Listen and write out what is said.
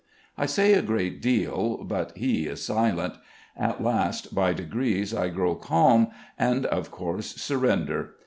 I say a great deal, but he is silent. At last by degrees I grow calm, and, of course, surrender.